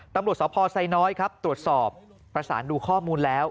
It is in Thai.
ตำรวจสพไซน้อยครับตรวจสอบประสานดูข้อมูลแล้ว